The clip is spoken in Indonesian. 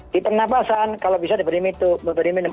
di pernafasan kalau bisa diberi minum